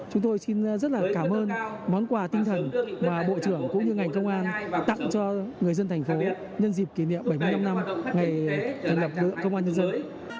chúng tôi xin rất là cảm ơn món quà tinh thần mà bộ trưởng cũng như ngành công an tặng cho người dân thành phố điện nhân dịp kỷ niệm bảy mươi năm năm ngày thành lập đội công an nhân dân